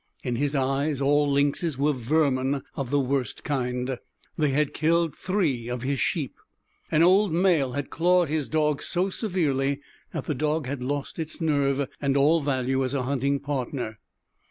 In his eyes all lynxes were vermin of the worst kind. They had killed three of his sheep. An old male had clawed his dog so severely that the dog had lost its nerve and all value as a hunting partner.